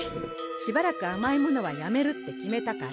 しばらくあまいものはやめるって決めたから。